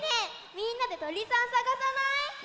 みんなでとりさんさがさない？